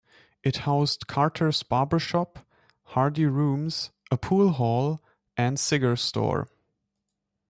It housed Carter's Barbershop, Hardy Rooms, a pool hall, and cigar store.